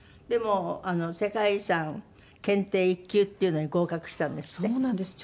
でも世界遺産検定１級っていうのに合格したんですって？